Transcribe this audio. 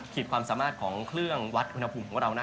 ความสามารถของเครื่องวัดอุณหภูมิของเรานะ